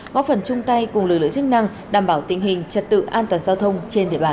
góp phần chung tay cùng lực lượng chức năng đảm bảo tình hình trật tự an toàn giao thông trên địa bàn